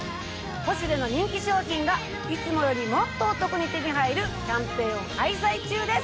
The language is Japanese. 『ポシュレ』の人気商品がいつもよりもっとお得に手に入るキャンペーンを開催中です。